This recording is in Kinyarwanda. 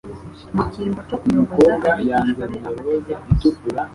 mu cyimbo cyo kuyoboza abigishwa be amategeko,